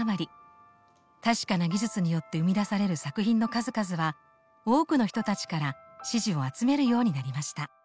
確かな技術によって生み出される作品の数々は多くの人たちから支持を集めるようになりました。